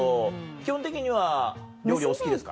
基本的には料理お好きですか？